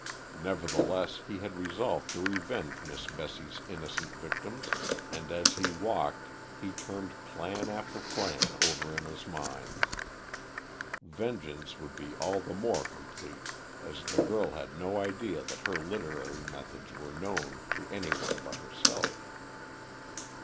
Nevertheless, he had resolved to revenge Miss Bessie's innocent victims, and as he walked, he turned plan after plan over in his mind. Vengeance would be all the more complete, as the girl had no idea that her literary methods were known to any one but herself.